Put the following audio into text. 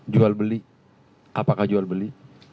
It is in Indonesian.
jual beli apakah jual beli